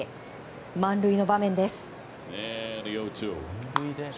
満塁の場面です。